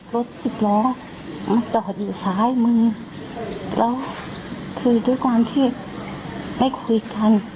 รถสิบล้อมาจอดอยู่ซ้ายมือแล้วคือด้วยความที่ไม่คุยกัน